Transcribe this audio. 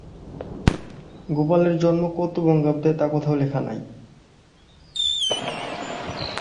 গোপালের জন্ম কত বঙ্গাব্দে তা কোথাও লেখা নেই।